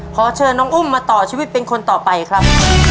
ขอเชิญน้องอุ้มมาต่อชีวิตเป็นคนต่อไปครับ